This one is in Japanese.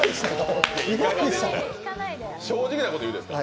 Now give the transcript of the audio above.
正直なこといいですか？